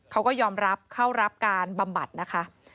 เขาก็ยอมรับเข้ารับการบำบัดนะคะ